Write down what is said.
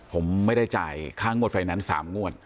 ผมไม่ได้จ่ายค่างวดไฟแนนซ์๓งวด